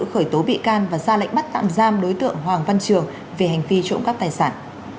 khởi tố bị can và ra lệnh bắt tạm giam đối tượng hoàng văn trường về hành vi trộm cắp tài sản